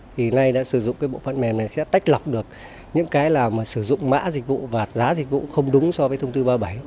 thì nay đã sử dụng cái bộ phận này sẽ tách lọc được những cái nào mà sử dụng mã dịch vụ và giá dịch vụ không đúng so với thông tư ba mươi bảy